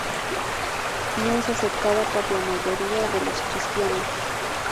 No es aceptada por la mayoría de los cristianos.